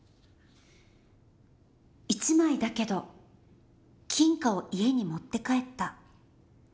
「一枚だけど金貨を家に持って帰った。